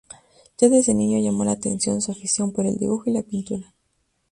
Ya desde niño llamó la atención su afición por el dibujo y la pintura.